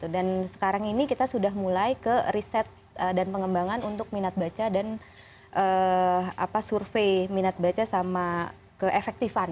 dan sekarang ini kita sudah mulai ke riset dan pengembangan untuk minat baca dan survey minat baca sama keefektifan